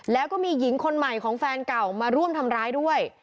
แล้วก็มีหญิงคนใหม่ของแฟนเก่ามาร่วมทำร้ายด้วย